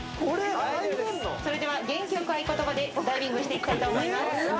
それでは元気よく合言葉でダイビングしていきたいと思います。